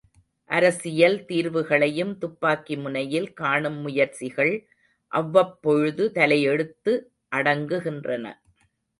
அரசியல் தீர்வுகளையும் துப்பாக்கி முனையில் காணும் முயற்சிகள் அவ்வப்பொழுது தலையெடுத்து அடங்குகின்றன.